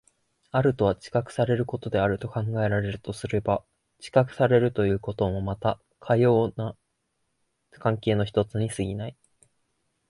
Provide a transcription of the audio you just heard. あるとは知覚されることであると考えられるとすれば、知覚されるということもまたかような関係の一つに過ぎない。